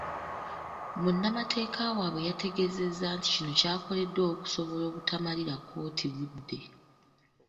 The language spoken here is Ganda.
Munnamateeka waabwe yategeezezza nti kino kyakoleddwa okusobola obutamalira kkooti budde.